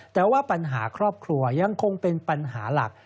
แต่ว่าปัญหาครอบครัวยังคงเป็นปัญหาหลัก